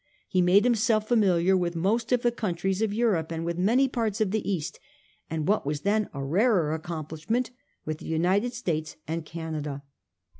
He made himself familiar with most of the countries of Europe, with many parts of the East, and what was then a rarer accomplishment, with the United States and Canada.